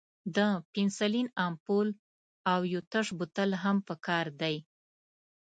د پنسلین امپول او یو تش بوتل هم پکار دی.